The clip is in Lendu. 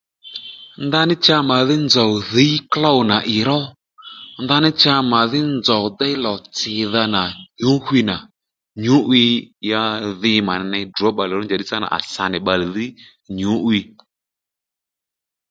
Ndaní cha màdhí nzòw dhǐ klôw nà ì ró ndaní cha màdhí nzòw déy lò-tsìdha nà nyǔ'wiy nà nyǔ'wiy ya dhi mànì ney drǒ bbalè ró njàddí sâ nà à sa nì bbalè dhí nyǔ'wiy